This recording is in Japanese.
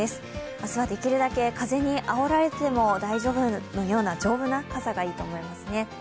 明日はできるだけ風にあおられても大丈夫なような丈夫な傘がいいと思いますね。